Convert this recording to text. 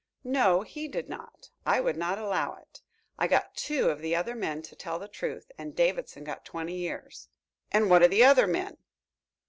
"No, he did not. I would not allow it. I got two of the other men to tell the truth, and Davidson got twenty years." "And what of the other men?"